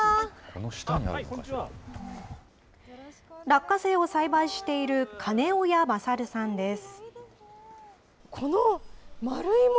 落花生を栽培している、金親大さんです。